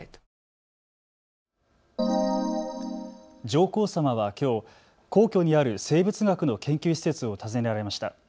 上皇さまはきょう、皇居にある生物学の研究施設を訪ねられました。